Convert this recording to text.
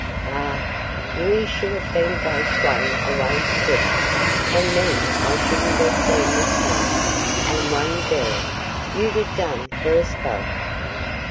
Eh, we should ha' been both flung away together, an' then I shouldna ha' seen this day, an' one buryin' 'ud ha' done for us both."